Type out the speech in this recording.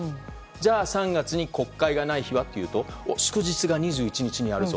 じゃあ、３月に国会がない日はというと祝日が２１日にあるぞ。